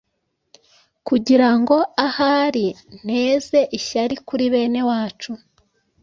kugira ngo ahari nteze ishyari kuri bene wacu,